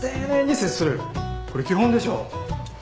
これ基本でしょ。